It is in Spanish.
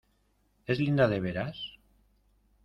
¿ es linda de veras?